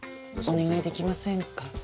お願いできませんか？